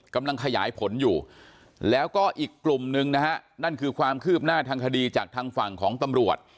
กำลังขยายผลอยู่แล้วก็อีกกลุ่มหนึ่งนะฮะนั่นคือความคืบหน้าทางคดีจากทางฝั่งของตำรวจ